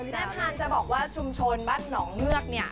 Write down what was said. แม่พานจะบอกว่าชุมชนบ้านหนองเงือกเนี่ย